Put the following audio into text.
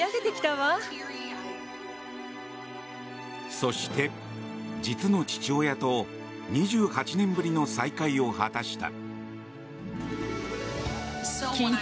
そして実の父親と２８年ぶりの再会を果たした。